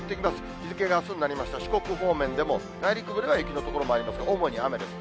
日付があすになりました四国方面でも、内陸部では雪の所もありますが、主に雨です。